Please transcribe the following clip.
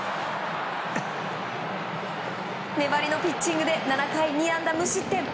粘りのピッチングで７回２安打無失点。